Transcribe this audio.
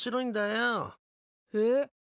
えっ？